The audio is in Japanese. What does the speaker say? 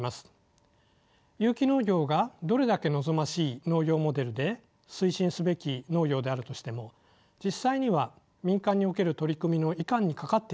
有機農業がどれだけ望ましい農業モデルで推進すべき農業であるとしても実際には民間における取り組みのいかんにかかっているということです。